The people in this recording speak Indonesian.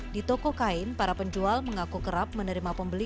di toko kain para penjual mengaku kerap menerima pembeli